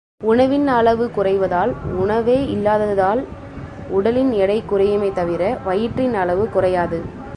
உணவின் அளவு குறைவதால், உணவே இல்லாததால், உடலின் எடை குறையுமே தவிர, வயிற்றின் அளவு குறையாது.